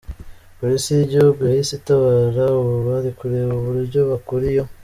Polisi y’Igihugu yahise itabara, ubu bari kureba uburyo bakura iyo.